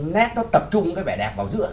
nét nó tập trung cái vẻ đẹp vào giữa